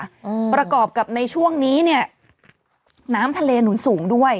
อืมประกอบกับในช่วงนี้เนี้ยน้ำทะเลหนุนสูงด้วย